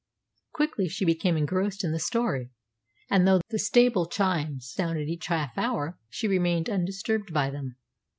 Quickly she became engrossed in the story, and though the stable chimes sounded each half hour she remained undisturbed by them.